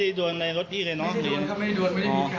ไม่ได้โดนครับไม่ได้โดนไม่ได้มีการชนไม่ได้มีการเชิญชน